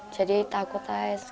jadi takut aja